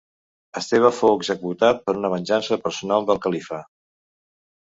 Esteve fou executat per una venjança personal del califa.